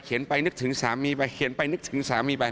ไปนึกถึงสามีไปเขียนไปนึกถึงสามีไป